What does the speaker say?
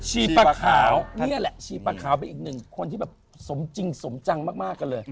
ปลาขาวนี่แหละชีปลาขาวเป็นอีกหนึ่งคนที่แบบสมจริงสมจังมากกันเลย